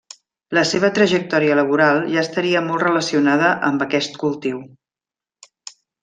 La seva trajectòria laboral ja estaria molt relacionada amb aquest cultiu.